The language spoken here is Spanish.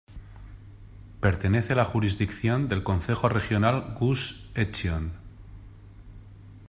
Pertenece a la jurisdicción del Concejo Regional Gush Etzion.